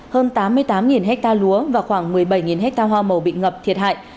hơn tám mươi tám ha lúa và khoảng một mươi bảy ha hoa màu bị ngập thiệt hại